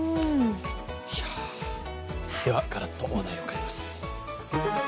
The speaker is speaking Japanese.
では、ガラッと話題を変えます。